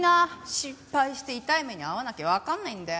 失敗して痛い目に遭わなきゃわかんないんだよ。